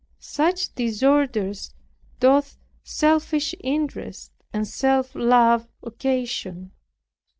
Such disorders doth selfish interest and self love occasion.